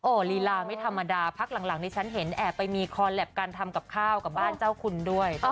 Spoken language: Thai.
ลีลาไม่ธรรมดาพักหลังนี่ฉันเห็นแอบไปมีคอแล็ปการทำกับข้าวกับบ้านเจ้าคุณด้วย